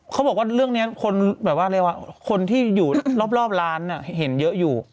เขาบอกว่าเรื่องนี้คนที่อยู่รอบร้านเห็นเยอะอยู่